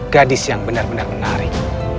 gadis yang benar benar menarik